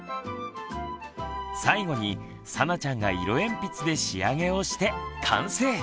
最後にさなちゃんが色鉛筆で仕上げをして完成！